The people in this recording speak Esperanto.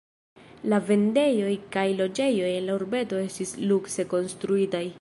La vendejoj kaj loĝejoj en la urbeto estis lukse konstruitaj.